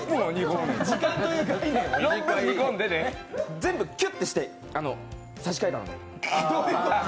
全部キュッとして差し替えたので。